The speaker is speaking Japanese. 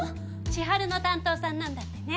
千晴の担当さんなんだってね。